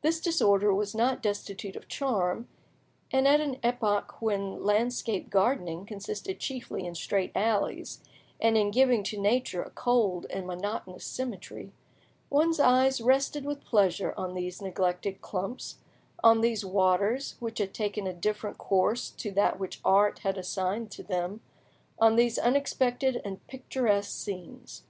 This disorder was not destitute of charm, and at an epoch when landscape gardening consisted chiefly in straight alleys, and in giving to nature a cold and monotonous symmetry, one's eye rested with pleasure on these neglected clumps, on these waters which had taken a different course to that which art had assigned to them, on these unexpected and picturesque scenes.